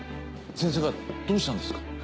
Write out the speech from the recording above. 先生方どうしたんですか？